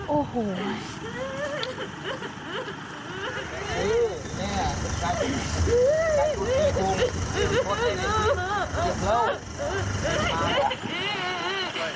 โอ้โห